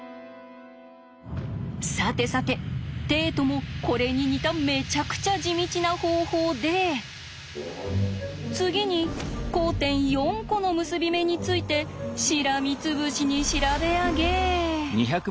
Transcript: さてさてテイトもこれに似ためちゃくちゃ地道な方法で次に交点４コの結び目についてしらみつぶしに調べ上げ。